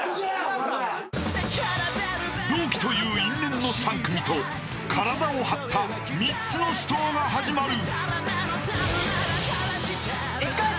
［同期という因縁の３組と体を張った３つの死闘が始まる］